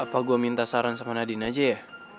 apa gue minta saran sama nadine aja ya